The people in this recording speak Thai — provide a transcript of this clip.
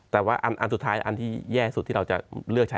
แต่ว่าอันสุดท้ายอันที่แย่สุดที่เราจะเลือกใช้